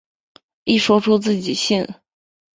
一说出自己姓。